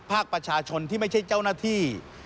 ภาคประชาชนที่ไม่ใช่เจ้าหน้าที่